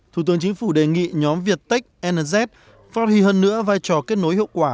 thủ tướng chính phủ đề nghị nhóm việt tech nnz phát huy hơn nữa vai trò kết nối hiệu quả